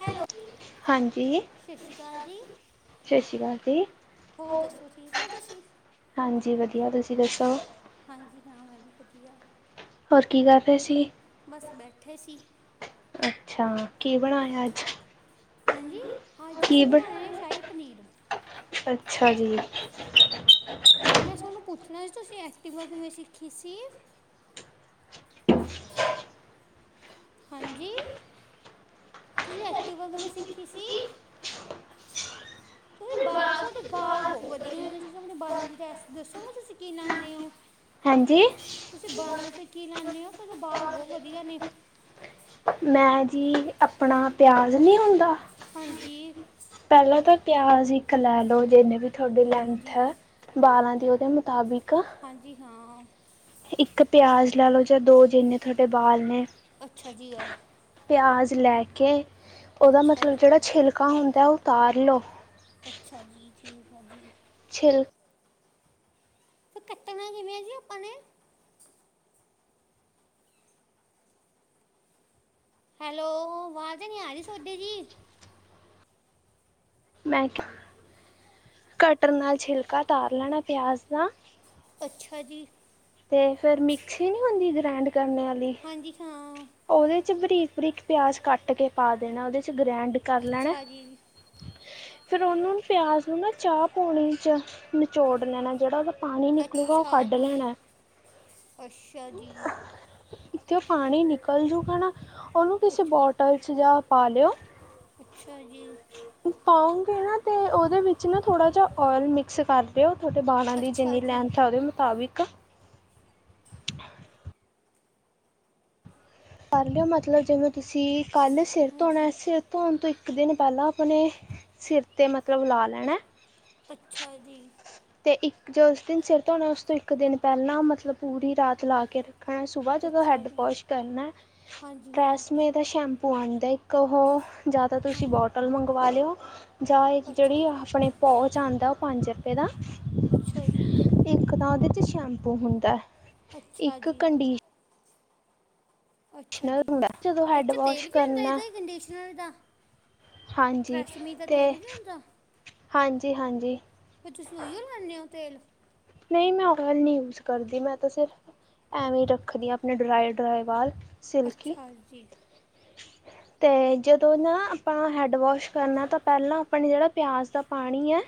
Hello, ਸਸ਼੍ਰੀ ਕਾਲ ਜੀ। ਸਤ ਸ਼੍ਰੀ ਕਾਲ ਜੀ, ਹੋਰ ਦੱਸੋ ਠੀਕ ਹੋ ਤੁਸੀਂ ਹਾਂਜੀ ਵਧੀਆ। ਤੁਸੀਂ ਦੱਸੋ? ਹਾਂਜੀ ਹਾਂ, ਮੈਂ ਵੀ ਵਧੀਆ। ਹੋਰ ਕੀ ਕਰ ਰੇ ਸੀ? ਬਸ ਬੈਠੇ ਸੀ। ਅੱਛਾ, ਕੀ ਬਣਾਯੈ ਅੱਜ? ਹਾਂਜੀ, ਅੱਜ ਕੀ ਅਸੀਂ ਬ ਬਣਾਣੇ ਆ ਸ਼ਾਹੀ ਪਨੀਰ। ਅੱਛਾ ਜੀ। ਮੈਂ ਸੌਨੂੰ ਪੁੱਛਣਾ ਸੀ, ਤੁਸੀਂ ਐਸਟੀਵਾ ਕਿਵੇਂ ਸਿੱਖੀ ਸੀ? [inaudible] ਹਾਂਜੀ, ਤੁਸੀਂ ਐਕਟਿਵਾ ਕਿਵੇਂ ਸਿੱਖੀ ਸੀ? ਤੂੰਸੀ ਬਾ ਸੋ ਦੇ ਬਾਲ ਬੌ ਵਧੀਆ ਨੇ, ਤੁਸੀਂ ਅਪਣੇ ਬਾਲਾਂ ਦੀ ਰੈਸੀ ਦੱਸੋਗੇ ਤੁਸੀਂ ਕੀ ਲਾਣੇ ਔ? ਹਾਂਜੀ। ਕੀ ਲਾਣੇ ਔ? ਥੋਡੇ ਬਾਲ ਬਹੌ ਵਧੀਆ ਨੇ। ਮੈਂ ਜੀ ਅਪਣਾ ਪਿਆਜ਼ ਨੀ ਹੂੰਦਾ ਹਾਂਜੀ। ਪਿਆਜ਼ ਇੱਕ ਲੈ ਲੋ ਜੇਨੇ ਵੀ ਥੋਡੀ ਹਾਂਜੀ ਲੈਂਥ ਹੈ ਬਾਰਾਂ ਦੀ ਔਦੇ ਮੁਤਾਬਿਕ। ਹਾਂਜੀ ਹਾਂ। ਇੱਕ ਪਿਆਜ਼ ਲੈ ਲੋ ਚਾਏ ਦੋ ਜਿੰਨੇ ਥੋਡੇ ਬਾਲ ਨੇ। ਅੱਛਾ ਜੀ ਆ। ਪਿਆਜ ਲੈ ਕੇ, ਔਦਾ ਅੱਛਾ ਮਤਲਬ ਜੀ ਜੇੜਾ ਛਿਲਕਾ ਹੁੰਦੈ ਔ ਉਤਾਰ ਲੋ। ਅੱਛਾ ਜੀ, ਠੀਕ ਹੈ ਜੀ। ਛਿਲ ਫੇਰ ਕੱਟਣਾ ਕਿਵੇਂ ਐਜੀ ਅਪਾਂ ਨੇ? ਹੈਲੋ, ਵਾਜ਼ ਨੀ ਆ ਰੀ ਸੋਡੀ ਜੀ। ਮੈ ਕਟਰ ਨਾਲ ਛਿਲਕਾ ਤਾਰ ਲੈਣਾ ਪਿਆਜ਼ ਦਾ। ਅੱਛਾ ਜੀ। ਤੇ ਫੇਰ ਮਿਕਸੀ ਨੀ ਹੁੰਦੀ ਗ੍ਰੈਂਡ ਕਰਨੇ ਆਲੀ ਹਾਂਜੀ ਹਾਂ ਔਦੇ ਚ ਬਰੀਕ ਬਰੀਕ ਪਿਆਜ਼ ਕੱਟ ਕੇ ਪਾ ਦੇਣਾ ਓਦੇ 'ਚ ਗ੍ਰੈਂਡ ਕਰ ਲੈਣੈ। ਅੱਛਾ ਜੀ ਫੇਰ ਔਨੂੰ ਪਿਆਜ ਨੂੰ ਨਾ ਚਾਹ ਪੋਣੀ ਚ ਨਚੋੜ ਲੈਣੈ। ਜੇੜਾ ਓਦਾ ਪਾਣੀ ਨਿਕਲੂਗਾ, ਓਹ ਅੱਛਾ ਕੱਢ ਜੀ ਲੈਣਾ। ਅੱਛਾ ਜੀ। ਕਿਥੇ ਓਹ ਪਾਣੀ ਨਿਕਲ ਜੂਗਾ, ਨਾ ਓਹਨੂੰ ਕਿਸੇ ਅੱਛਾ ਬੋਟਲ 'ਚ ਜਾ ਪਾ ਲਿਓ। ਅੱਛਾ ਜੀ। ਪਾਓਗੇ ਨਾ ਤੇ ਔਦੇ ਵਿੱਚ ਨਾ ਥੋੜ੍ਹਾ ਜਾ ਔਇਲ ਮਿਕਸ ਕਰ ਦੋ। ਥੋਡੇ ਬਾਲਾਂ ਦੀ ਅੱਛਾ ਜਿੰਨੀ ਜੀ ਲੈਂਨਥ ਐ ਉਦੇ ਮੁਤਾਬਿਕ। ਹ ਪੈਲੇ ਮਤਲਬ ਜਿਵੇਂ, ਤੁਸੀਂ ਕੱਲ੍ਹ ਸਿਰ ਧੋਣੈ ਹਾਂਜੀ ਸਿਰ ਧੋਣ ਤੋਂ ਇੱ ਇੱਕ ਦਿਨ ਪੈਲਾਂ ਅਪਣੇ ਸਿਰ 'ਤੇ ਮਤਲਬ ਲਾ ਲੈਣੈ। ਅੱਛਾ ਜੀ। ਤੇ ਇੱਕ ਜੋ ਉਸ ਦਿਨ ਸਿਰ ਧੋਣਾ ਉਸ ਤੋਂ ਇੱਕ ਦਿਨ ਪੈਲਾਂ ਮਤਲਬ ਪੂਰੀ ਰਾਤ ਲਾ ਕੇ ਰ ਖਣੈ, ਸੁਬਾ ਜਦੋਂ ਅੱਛਾ ਹੈਡ ਜੀ ਵਾਸ਼ ਕਰਨੈ ਹਾਂਜੀ ਹਾਂ ਟ੍ਰੈਸ ਮੇ ਦਾ ਸ਼ੈਂਪੂ ਆਣ ਦੈ ਇੱਕ ਓਹ ਜਾ ਤਾਂ ਹਾਂ ਤੁਸੀਂ ਬੋਟਲ ਮੰਗਵਾ ਲਿਓ। ਜਾਂ ਏ ਅੱਛਾ ਜੇੜੀ ਏ ਜੀ ਹਪਣੀ ਪੌਚ ਔੰਦਾ ਔ ਪੰਜ ਰਪੇ ਦਾ। ਅੱਛਾ ਜੀ। ਸ਼ੈੈਂਪੂ ਹੁੰਦਾ। ਅੱਛਾ ਇੱਕ ਜੀ। ਕੰਡੀਸ਼ਨਰ ਅੱਛਾ ਜੀ, ਹੁੰਦਾ ਜਦੋਂ ਹੈੱਡ ਇਥੇ ਤੇਲ ਵੋਸ਼ ਵੀ ਹੁੰਦਾ ਕਰਨਾ ਦਾ ਹੀ ਕੰਡੀਸ਼ਨਰ ਦਾ ਹਾਂਜੀ ਟਰੈਸਮੀ ਦਾ ਤੇ ਤੇਲ ਵੀ ਹਾਂਜੀ-ਹਾਂਜੀ, ਫ ਤੁਸੀਂ ਲੂਈਓ ਲਵਾਦੇ ਹੋ ਤੇਲ, ਨਹੀਂ ਮੈਂ ਓਇਲ ਨਹੀਂ ਯੂਜ ਕਰਦੀ, ਮੈਂ ਤਾਂ ਸਿਰਫ਼ ਐਵੇਂ ਰੱਖਦੀ ਹਾਂ ਆਪਣੇ ਡਰਾਈ ਡਰਾਈ ਵ ਅੱਛਾ ਜੀ, ਤੇ ਜਦੋਂ ਨਾ ਆਪਣਾ ਹੈਡ ਵੋਸ਼ ਕਰਨਾ ਤਾਂ ਪਹਿਲਾਂ ਆਪਾਂ ਜਿਹੜਾ ਪਿਆਜ਼ ਦਾ ਪਾਣੀ ਹੈ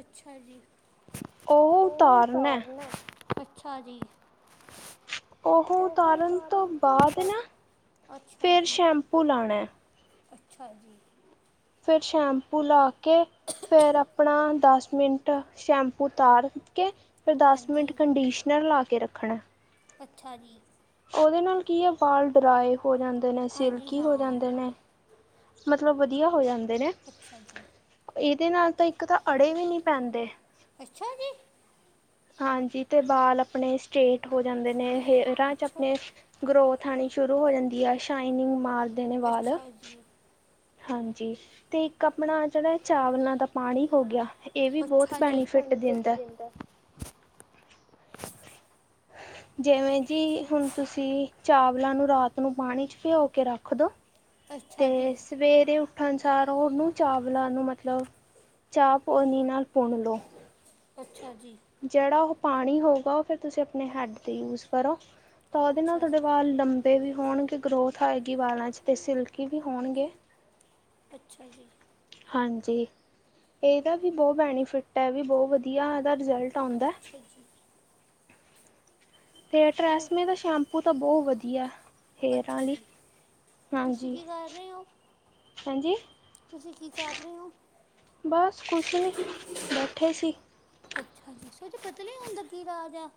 ਅੱਛਾ ਜੀ, ਉਹ ਉਤਾਰਨ ਹੈ, ਅੱਛਾ ਜੀ, ਉਹ ਉਤਾਰਨ ਤੋਂ ਬਾਅਦ ਨਾ ਅੱਛਾ ਫੇਰ ਜੀ ਸ਼ੈਂਪੂ ਲਾਣਾ ਅੱਛਾ ਜੀ, ਫਿਰ ਸ਼ੈਂਪੂ ਲਾ ਕੇ, ਫੇਰ ਆਪਣਾ ਦਸ ਮਿੰਟ ਸ਼ੈਂਪੂ ਤਾਰ ਕੇ, ਫਿਰ ਦਸ ਹਾਂਜੀ ਮਿੰਟ ਕੰਡੀਸ਼ਨਰ ਲਾ ਕੇ ਰੱਖਣਾ। ਅੱਛਾ ਜੀ, ਉਹਦੇ ਨਾਲ ਕੀ ਹੈ ਵਾਲ ਡਰਾਏ ਹੋ ਜਾਂਦੇ ਨੇ ਹਾਂਜੀ ਸਿਲਕੀ ਹਾਂ ਹੋ ਜਾਂਦੇ ਨੇ, ਮਤਲਬ ਵਧੀਆ ਹੋ ਜਾਂਦੇ ਨੇ ਇਹ, ਅੱਛਾ ਜੀ ਇਹਦੇ ਨਾਲ ਤਾਂ ਇੱਕ ਤਾਂ ਅੜੇ ਵੀ ਨੀ ਪੈਂਦੇ। ਅੱਛਾ ਜੀ, ਹਾਂਜੀ ਤੇ ਬਾਲ ਆਪਣੇ ਸਟੇਟ ਹੋ ਜਾਂਦੇ ਨੇ, ਹੇਰਾਂ ਚ ਅੱਛਾ ਆਪਣੇ ਗਰੋਥ ਥਾਣੀ ਸ਼ੁਰੂ ਹੋ ਜਾਂਦੀ ਆ ਸ਼ਾਈਨਿੰਗ ਮਾਰ ਦੇਣ ਵਾਲ, ਅੱਛਾ ਜੀ ਹਾਂਜੀ, ਤੇ ਇੱਕ ਆਪਣਾ ਜਿਹੜਾ ਚਾਵਲਾਂ ਦਾ ਪਾਣੀ ਹੋ ਗਿਆ, ਇਹ ਵੀ ਬਹੁਤ ਬੈਨੀਫਿਟ ਦਿੰਦਾ। [unintelligible] ਜਿਵੇਂ ਜੀ ਹੁਣ ਤੁਸੀਂ ਚਾਵਲਾਂ ਨੂੰ ਰਾਤ ਨੂੰ ਪਾਣੀ ਚ ਭਿਓ ਕੇ ਰੱਖ ਦੋ, ਅੱਛਾ ਤੇ ਜੀ ਸਵੇਰੇ ਉੱਠਣ ਚਾਰੋਂ ਨੂੰ ਚਾਵਲਾਂ ਨੂੰ ਮਤਲਬ ਚਾਹ ਪਨੀ ਨਾਲ ਭੁੰਨ ਲਓ। ਅੱਛਾ ਜੀ, ਜਿਹੜਾ ਉਹ ਪਾਣੀ ਹੋਗਾ, ਉਹ ਫਿਰ ਤੁਸੀਂ ਆਪਣੇ ਹੈੱਡ ਤੇ ਯੂਜ ਕਰੋ। ਤਾਂ ਉਹਦੇ ਨਾਲ ਅੱਛਾ ਤੁਹਾਡੇ ਜੀ ਵਾਲ ਲੰਬੇ ਵੀ ਹੋਣਗੇ। ਗਰੋਥ ਆਏਗੀ ਵਾਲਾਂ ਚ ਤੇ ਸਿਲਕੀ ਵੀ ਹੋਣਗੇ। ਅੱਛਾ ਜੀ, ਹਾਂਜੀ ਇਹਦਾ ਵੀ ਬਹੁਤ ਬੈਨੀਫਿਟ ਹੈ, ਵੀ ਬਹੁਤ ਵਧੀਆ ਇਹਦਾ ਰਿਜ਼ਲਟ ਹਉਂਦਾ ਅੱਛਾ ਜੀ ਤੇ ਹੋ ਟ੍ਰੈਸਮੇ ਦਾ ਸ਼ੈਂਪੂ ਤਾਂ ਬਹੁਤ ਵਧੀਆ ਹੇਅਰਾਂ ਅੱਛਾ ਲਈ ਜੀ ਤੁਸੀਂ ਹਾਂਜੀ ਕੀ ਕਰ ਰਹੇ ਹੋ ਹਾਂਜੀ ਤੁਸੀਂ ਕੀ ਕਰ ਰਹੇ ਹੋ ਬਸ ਕੁਛ ਨੀ ਬੈਠੇ ਸੀ ਉਹ ਚ ਪਤਾ ਨ ਹੁੰਦਾ ਕੀ ਰਾਜ ਆ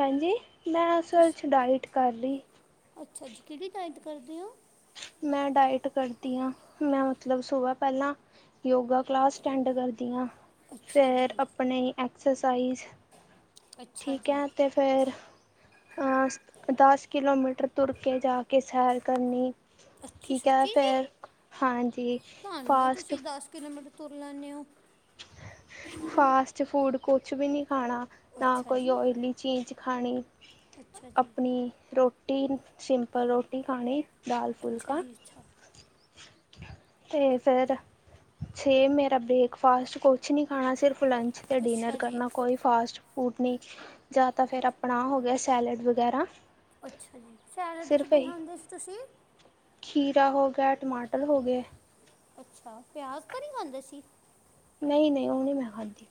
ਹਂਜੀ ਮੈਂ ਉਸ ਵੱਲ ਤੁਸੀਂ ਛਡਾਇਟ ਕਰ ਲਈ ਅੱਛਾ ਜੀ ਕਿਹੜੀ ਤਇਤ ਕਰਦੇ ਹੋ ਮੈਂ ਡਾਇਟ ਕਰਦੀ ਹਾਂ ਮੈਂ ਮਤਲਬ ਸੁਬਹ ਪਹਿਲਾਂ ਯੋਗਾ ਕਲਾਸ ਅਟੈਂਡ ਕਰਦੀ ਹਾਂ ਅੱਛਾ ਫੇਰ ਜੀ ਆਪਣੀ ਐਕਸਰਸਾਈਜ਼ ਅੱਛਾ ਠੀਕ ਜੀ ਹੈ ਤੇ ਫੇਰ ਦਸ ਕਿਲੋਮੀਟਰ ਤੁਰ ਕੇ ਜਾ ਕੇ ਸੈਰ ਕਰਨੀ ਅੱਛੀ ਠੀਕ ਹੈ ਸੱਚੀ ਜੀ ਫੇਿਰ ਹਾਂਜੀ ਫਾਸਟ ਤੁਲਨ ਫਾਸਟ ਫੂਡ ਕੁਛ ਵੀ ਨਹੀਂੀ ਖਾਣਾ ਨਾ ਅੱਛਾ ਕੋਈ ਜੀ ਓਇਲੀ ਚੀਜ਼ ਖਾਣੀ ਅੱਛਾ ਜੀ ਆਪਣੀ ਰੋਟੀ ਸਿੰਪ ਪਰ ਰੋਟੀ ਖਾਣੀ ਦਾਾਲ ਅੱਛਾ ਫੁਲਕਾ ਜੀ ਅੱਛਾ ਤੇ ਫੇਰ ਛੇ ਮੇਰਾ ਬ੍ਰੇਕਫਾਸਟ ਕੁਛ ਨਹੀਂ ਖਾਣਾ ਸਿਰਫ ਲੰਚ ਅਤੇ ਡਿਨਰ ਅੱਛਾ ਜੀ ਕਰਨਾ ਕੋਈ ਫਾਸਟ ਫੂਡ ਨਹੀਂ ਜਾਂ ਤਾਂ ਫਿਰ ਅੱਛਾ- ਆਪਣਾ ਹੋ ਗਿਆ ਸੈਲਡ ਵਗੈਰਾ ਅੱਛਾ ਜੀ ਸੈਲਡ ਚ ਸਿਰਫ ਕੀ ਇਹੀ ਖਾਂਦੇ ਸੀ ਤੁਸੀਂ ਖੀਰਾ ਹੋ ਗਿਆ ਟਮਾਟਰ ਹੋ ਗਏ ਅੱਛਾ, ਪਿਆਜ ਤਾਂ ਨਹੀਂ ਖਾਂਦੇ ਸੀ। ਨਹੀਂ ਨਹੀਂ ਉਹ ਨੀ ਮੈਂ ਖਾਧੀ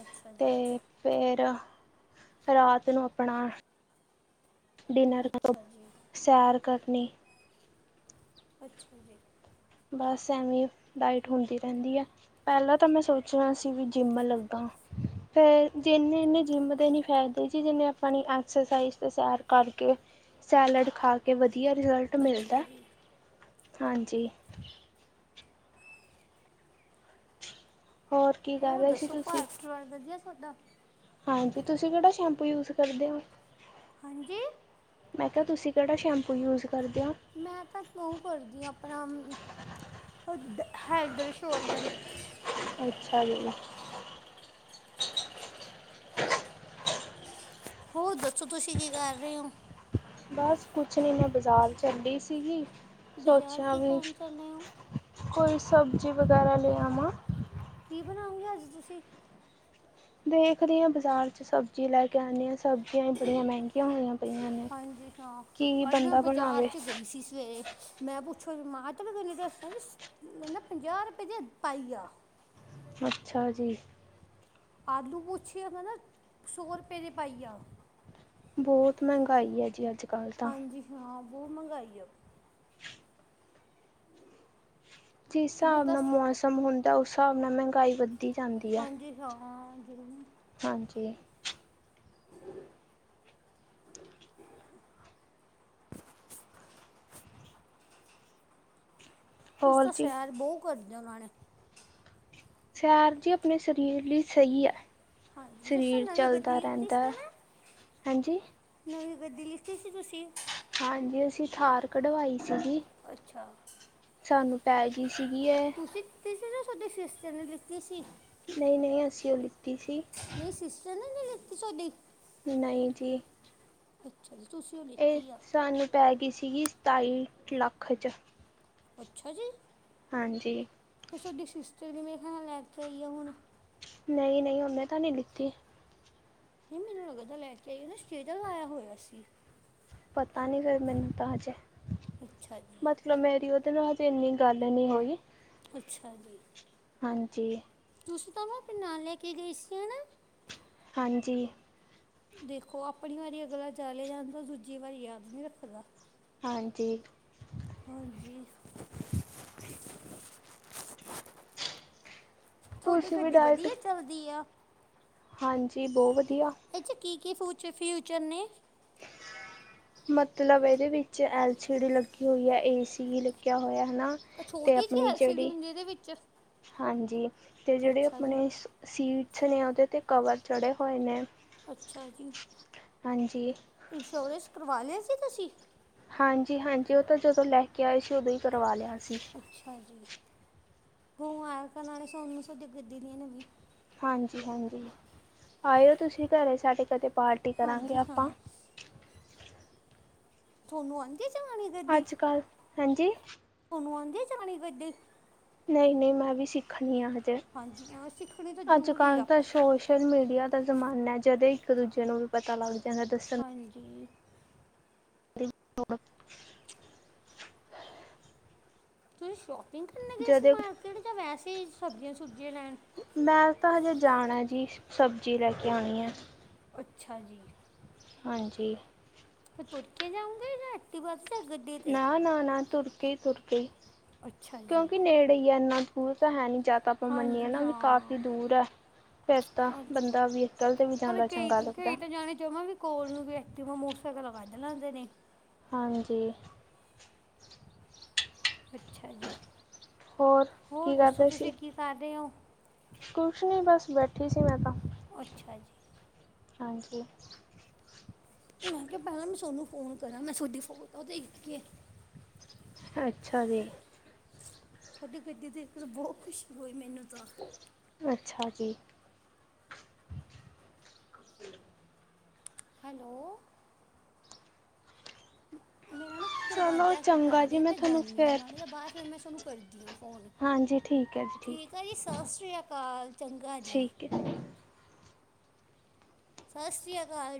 ਅੱਛਾ ਜੀ ਤੇ ਫੇਰ ਰਾਤ ਨੂੰ ਆਪਣਾ ਡਿਨਰ ਕਰੋ ਅੱਛਾ ਜੀ ਸੈਰ ਕਰ ਨਹੀਂ ਅੱਛਾ ਜੀ ਬਸ ਐਵ ਡਾਇਟ ਹੁੰਦੀ ਰਹਿੰਦੀ ਹੈ ਪਹਿਲਾਂ ਤਾਂ ਮੈਂ ਸੋਚਣਾ ਸੀ ਵੀ ਜਿੰਮ ਲੱਗਾ ਫਿਰ ਜਿੰਨੇ ਨੇ ਜਿੰਮ ਦੇ ਨੀ ਫਾਇਦੇ ਜੀ ਜਿਨੇ ਆਪਣੀ ਐਕਸਰਸਾਈਜ਼ ਤੇ ਸੈਰ ਕਰ ਸੈਲਡ ਖਾ ਕੇ ਵਧੀਆ ਰਿਜ਼ਲਟ ਅੱਛਾ ਮਿਲਦਾ ਜੀ ਹਾਂਜੀ ਕੀ ਕਰ ਹੋਰ ਰਹੇ ਸੀ ਦੱਸੋ ਤੁਸੀਂ ਘਾਰਵਾਰ ਵਧੀਆ ਸਾਡਾ ਹਾਂਜੀ ਤੁਸੀਂ ਕਿਹੜਾ ਸ਼ੈਂਪੂ ਯੂਜ ਕਰਦੇ ਹੋ ਹਾਂਜੀ ਮੈਂ ਕਿਹਾ ਤੁਸੀਂ ਜਿਹਾ ਸ਼ੈਂਪੂ ਯੂਜ ਕਰਦੇ ਹੋ ਮੈਂ ਤਾਂ [unintelligible] ਕਰਦੀ ਆਪਣਾ ਹੈਲਡ ਸ਼ੋਲਡ ਅੱਛਾ ਜੀ ਹੋਰ ਦੱਸੋ ਤੁਸੀਂ ਕੀ ਕਰ ਰਹੇ ਹੋ ਬਸ ਕੁਛ ਨਹੀਂ ਮੈਂ ਬਾਜ਼ਾਰ ਚੱਲੀ ਸੀਗੀ ਬਾਜ਼ਾਰ ਸੋਚਿਆ ਕੀ ਵੀ ਕੰਮ ਚਲੇ ਓ ਕੋਈ ਸਬਜ਼ੀ ਵਗੈਰਾ ਲੇ ਆਵਾ ਕੀ ਬਣਾਓਗੇ ਅੱਜ ਤੁਸੀਂ ਦੇਖਦੇ ਹਾਂ ਬਾਜ਼ਾਰ ਚ ਸਬਜ਼ੀ ਲੈ ਕੇ ਆਉਂਦੇ ਹਾਂ ਸਬਜ਼ੀਆਂ ਹੀ ਬੜੀਆਂ ਮਹਿੰਗੀਆਂ ਹੋਈਆਂ ਪਈਆਂ ਨੇ ਹਾਂਜੀ ਹਾਂ ਕੀ ਅੱਜ ਮੈਂ ਬੰਦਾ ਬਾਜ਼ਾਰ ਬਣਾਵੇ ਚ ਗਈ ਸੀ ਸਵੇਰੇ ਮੈਂ [unintelligible] ਦੱਸ ਕਹਿੰਦਾ ਪੰਜਾਹ ਰੁਪਏ ਦੇ ਪਾਈ ਆ ਅੱਛਾ ਜੀ ਆਲੂ ਪੁਛਿਆ ਮੈਂ ਨਾ ਸੌ ਰੁਪਏ ਦੇ ਪਾਈ ਆ ਬਹੁਤ ਮਹਿੰਗਾਈ ਹੈ ਜੀ ਅੱਜ ਕੱਲ੍ਹ ਤਾਂ ਹਾਂਜੀ ਹਾਂ ਬਹੁਤ ਮੰਹਿੰਗਾਈ ਆ ਜਿਸ ਮੈਂ ਹਿਸਾਬ ਤਾਂ ਨਾਲ ਮੌਸਮ ਹੁੰਦਾ ਉਸ ਹਿਸਾਬ ਨਾਲ ਮਹਿੰਗਾਈ ਵੱਧਦੀ ਜਾਂਦੀ ਹੈ ਹਾਂਜੀ ਹਾਂ ਜ਼ਰੂਰ ਹਾਂਜੀ। ਹੋਰ ਤਾਂ ਜੀ ਸੈਰ ਬਹੁਤ ਕਰਦੇ ਆ। ਉਹਨਾਂ ਨੇ ਸੈਰ ਜੀ ਆਪਣੇ ਸਰੀਰ ਲਈ ਸਹੀ ਹੈ। ਹਾਂਜੀ। ਜਿਸ ਤੇ ਸਰੀਰ ਨਵੀਂ ਗੱਦੀ ਚੱਲਦਾ ਲੈਤੀ ਰਹਿੰਦਾ ਸੀ ਨਾ। ਹਾਂਜੀ ਨਵੀਂ ਗੱਦੀ ਲਿਖ ਹਾਂਜੀ। ਅਸੀਂ ਥਾਰ ਕਢਵਾਈ ਸੀਗੀ। ਐਚ [unintelligible] ਸਾਨੂੰ ਪੈ ਗਈ ਸੀਗੀ। ਸੇ ਸਾਡੇ ਸਿਸਟਰ ਨੇ ਲਿੱਤੀ ਸੀ। ਨਹੀਂ- ਨਹੀਂ ਅਸੀ ਹੇਲੀ ਨਹੀਂ ਸਿਸਟਰ ਨੇ ਨਹੀਂ ਲਿੱਤੀ ਤੁਹਾਡੀ। ਨਹੀਂ ਜੀ। ਅੱਛਾ ਜੀ। ਤੁਸੀਂ ਉਹ ਇਹ ਲਿੱਤੀ ਆ ਸਾਨੂੰ ਪੈ ਗਈ ਸੀਗੀ ਸਤਾਈ ਲੱਖ 'ਚ। ਅੱਛਾ ਜੀ! ਹਾਂਜੀ। ਚੱਲੇ ਖਾਣਾ ਲੈ ਕੇ ਆਈ ਆ ਹੁਣ। ਨਹੀਂ- ਨਹੀਂ ਉਹਨੇ ਤਾਂ ਨਹੀਂ ਲਿੱਤੀ। ਨਹੀਂ ਮੈਨੂੰ ਅਗਰ ਲੈ ਕੇ ਆਈਏ ਨਾ ਸਟੇਜ ਲਾਇਆ ਹੋਇਆ ਸੀ। ਪਤਾ ਨਹੀਂ ਫੇਰ ਮੈਨੂੰ ਤਾਂ ਜਾਏ। ਅੱਛਾ ਜੀ। ਚਲੋ ਹਜੇ ਇੰਨੀ ਗੱਲ ਨੀ ਹੋਈ। ਅੱਛਾ ਜੀ। ਹਾਂਜੀ। ਤੁਸੀਂ ਤਾ ਓਨੂੰ ਆਪਣੇ ਨਾਲ ਲੈ ਕੇ ਗਈ ਸੀ ਹਨਾ। ਹਾਂਜੀ। ਦੇਖੋ ਆਪਣੀ ਵਾਰੀ ਅਗਲਾ ਚਲੇ ਜਾਂਣਦੇ ਦੂਜੀ ਵਾਰੀ ਯਾਦ ਨਹੀਂ ਰੱਖਦਾ। ਹਾਂਜੀ। ਹਾਂਜੀ। ਤੁਹਾਡੀ ਤੁਸੀਂ ਵੀ ਗੱਡੀ ਡਾਇਟ ਵਧੀਆ ਚੱਲਦੀ ਆ। ਹਾਂਜੀ। ਬਹੁਤ ਵਧੀਆ। ਇਦੇ ਚ ਕੀ- ਕੀ ਫ ਫਿਊਚਰ ਨੇ। ਮਤਲਬ ਇਹਦੇ ਵਿੱਚ ਐਲ ਸੀ ਡੀ ਲੱਗੀ ਹੋਈ ਹੈ, ਏ ਸੀ ਵੀ ਲੱਗਿਆ ਹੋਇਆ। ਹਨਾ। ਤੇ ਛੋਟੀ ਜੀ ਆਪਣੀ ਐਲਸੀਡੀ ਜਿਹੜੀ ਹੁੰਦੀ ਇਹਦੇ ਵਿੱਚ ਹਾਂਜੀ। ਤੇ ਜਿਹੜੇ ਅੱਛਾ ਜੀ ਆਪਣੇ ਸੀਟ ਪੁੱਛ [unintelligible] ਨੇ ਉਹਦੇ ਤੇ ਕਵਰ ਚੜ੍ਹੇ ਹੋਏ ਨੇ। ਅੱਛਾ ਜੀ। ਹਾਂਜੀ ਇੰਸ਼ੋਰੈਂਸ ਕਰਵਾ ਲਿਆ ਸੀ ਤੁਸੀਂ ਹਾਂਜੀ- ਹਾਂਜੀ ਉਹ ਤਾਂ ਜਦੋਂ ਲੈ ਕੇ ਆਏ ਸੀ। ਉਦੋਂ ਹੀ ਕਰਵਾ ਲਿਆ। ਸੀ ਅੱਛਾ ਜੀ। ਮੁਬਾਰਕਾ ਤੁਹਾਨੂੰ ਸਾਨੂੰ ਗੱਡੀ ਦੀਆਂ ਨਵੀਂਆ ਹਾਂਜੀ- ਹਾਂਜੀ ਆਇਓ ਤੁਸੀਂ ਘਰੇ ਸਾਡੇ ਕਦੇ ਪਾਰਟੀ ਕਰਾਂਗੇ ਹਾਂਜੀ ਆਪਾਂ। ਹਾਂ ਤੂੰਆਨੂੰ ਆਈ। ਅੱਜ ਕੱਲ ਹਾਂਜੀ। ਤੁਹਾਨੂੰ ਆਉਂਦੀ ਚਲਾਣੀ ਗੱਡੀ। ਨਹੀਂ- ਨਹੀਂ ਮੈਂ ਵੀ ਸਿੱਖਣੀ ਆ ਹਜੇ। ਹਾਂਜੀ ਹਾਂ ਸਿੱਖਣੀ ਤਾਂ ਅੱਜ ਜ਼ਰੂਰੀ ਕੱਲ੍ਹ ਆ ਤਾਂ ਸੋਸ਼ਲ ਮੀਡੀਆ ਦਾ ਜ਼ਮਾਨਾ ਜਾਦਾ ਈ। ਇੱਕ- ਦੂਜੇ ਨੂੰ ਵੀ ਪਤਾ ਲੱਗਦਾ। ਹਾਂਜੀ। [unintelligible] ਤੁਸੀਂ ਸ਼ੋਪਿੰਗ ਕਰਨ ਗਏ ਸੀ ਜਦੇ ਮਾਰਕੀਟ ਜਾਂ ਵੈਸੇ ਹੀ ਸਬਜ਼ੀਆਂ- ਸੁਬਜ਼ੀਆਂ ਲੈਣ। ਮੈਂ ਤਾਂ ਹਜੇ ਜਾਣਾ ਜੀ, ਸਬਜ਼ੀ ਲੈ ਕੇ ਆਉਣੀ ਹੈ। ਅੱਛਾ ਜੀ। ਹਾਂਜੀ। ਵੇ ਰਾਤੀ ਬਸ ਨਾ, ਨਾ, ਨਾ ਤੁਰ ਕੇ ਤੁਰ ਕੇ ਅੱਛਾ ਜੀ ਕਿਉਂਕਿ ਨੇੜੇ ਹੀ ਇਨਾ ਦੂਰ ਤਾਂ ਹੈ ਨੀ ਜਿਆ ਤਾਂ ਆਪਾਂ ਮੰਨੀਏ ਹਾਂਜੀ ਨਾ ਵੀ ਹਾਂ ਕਾਫੀ ਦੂਰ ਹੈ। ਫਿਰ ਤਾਂ ਹਾਂਜੀ ਬੰਦਾ ਵਹੀਕਲ 'ਤੇ ਵੀ ਪਰ ਜਾਂਦਾ ਕਈ, ਚੰਗਾ ਕਈ ਲੱਗਦਾ ਤਾਂ ਜਾਣੇ ਜਾਵਾਂ ਵੀ ਕੋਲ ਨੂੰ ਵੀ ਐਕਟੀਵਾ ਮੋਟਰ ਸਾ ਗਲ ਵੱਧ ਲੈਂਦੇ ਨੇ ਹਾਂਜੀ। ਅੱਛਾ ਜੀ ਹੋਰ ਹੋਰ ਕੀ ਦੱਸੋ ਕਰਦੇ ਸੀ? ਤੁਸੀਂ ਕੀ ਕਾਰ ਰੇ ਓ ਕੁਛ ਨੀ ਬਸ ਬੈਠੀ ਸੀ ਮੈਂ ਤਾਂ ਅੱਛਾ ਜੀ। ਹਾਂਜੀ। ਮੈਂ ਕਿਹਾ ਪਹਿਲਾਂ ਮੈਂ ਤੁਾਨੂੰ ਫੋਨ ਕਰਾਂ ਮੈਂ ਤੁਹਾਡੀ ਫੋਨ ਨੁ ਦੇਖ ਕੇ ਅੱਛਾ ਜੀ। ਤੁਹਾਡੀ ਗੱਡੀ ਦੇਖ ਬਹੁਤ ਖੁਸ਼ੀ ਹੋਈ ਮੈਨੂੰ ਤਾਂ ਅੱਛਾ ਜੀ। ਹੈਲੋ। ਮੇਰਾ ਨਾ ਖੁਦ ਚਲੋ ਦਰਵਾਜ਼ਾ ਖੜਕਾ ਚੰਗਾ ਜੀ ਰਿਹਾ ਆ ਮੈਂ ਤੁਹਾਨੂੰ ਜਾਂਦੀ ਹਾਂ ਫਿਰ ਮਾੜ ਦੇ ਬਾਅਦ ਫਿਰ ਮੈਂ ਤੁਹਾਨੂੰ ਕਰਦੀ ਹਾਂ। ਫੋਨ ਹਾਂਜੀ ਠੀਕ ਹੈ ਜੀ ਆ ਜੀ ਠੀਕ ਸਤਿ ਸ਼੍ਰੀ ਅਕਾਲ ਚੰਗਾ ਜੀ ਠੀਕ ਹੈ। ਸਤਿ ਸ਼੍ਰੀ ਅਕਾਲ